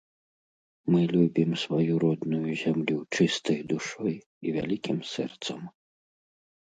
Мы любім сваю родную зямлю чыстай душой і вялікім сэрцам.